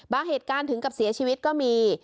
เหตุการณ์ถึงกับเสียชีวิตก็มี